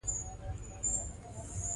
زه تل هڅه کوم چې وطن مې پاک وساتم.